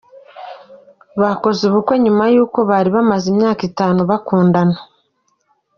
Bakoze ubukwe nyuma y’uko bari bamaze imyaka itanu bakundana.